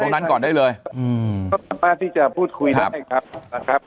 นะครับก็จะสามารถที่จะพูดคุยไว้นะครับ